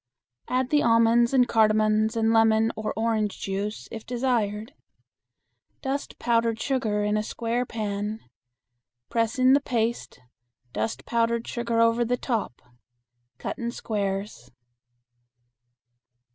Add the almonds and cardamons and lemon or orange juice if desired. Dust powdered sugar in a square pan. Press in the paste, dust powdered sugar over the top. Cut in squares.